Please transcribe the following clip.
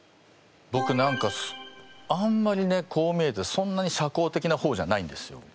ぼく何かあんまりねこう見えてそんなに社交的な方じゃないんですよ。